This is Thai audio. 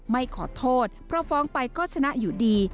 ไม่ขอโทษเพราะฟ้องไปก็ชนะอยู่ดี